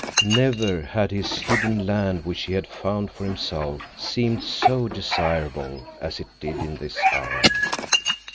Never had this hidden land which he had found for himself seemed so desirable as it did in this hour.